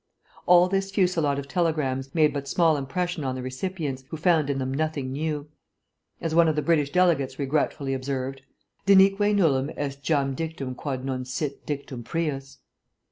All this fusillade of telegrams made but small impression on the recipients, who found in them nothing new. As one of the British delegates regretfully observed, "_Denique nullum est jam dictum quod non sit dictum prius.